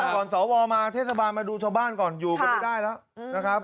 ก่อนสวมาเทศบาลมาดูชาวบ้านก่อนอยู่กันไม่ได้แล้วนะครับ